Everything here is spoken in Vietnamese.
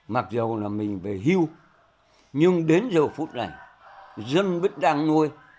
mặc dù là mình về hưu nhưng đến giờ phút này dân vẫn đang nuôi